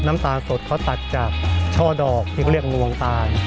น้ำตาลสดเขาตัดจากช่อดอกที่เขาเรียกงวงตาล